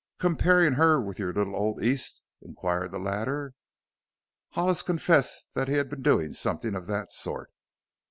"Comparin' her with your little old East?" inquired the latter. Hollis confessed that he had been doing something of that sort.